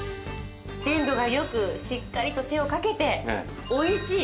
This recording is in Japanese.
鮮度が良くしっかりと手をかけておいしい。